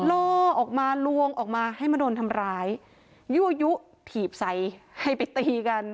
ล่อออกมาลวงออกมาให้มาโดนทำร้ายยั่วยุถีบใส่ให้ไปตีกัน